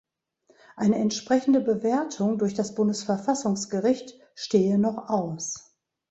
Eine entsprechende Bewertung durch das Bundesverfassungsgericht stehe noch aus.